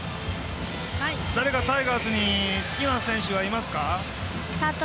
誰かタイガースに好きな選手はいますか？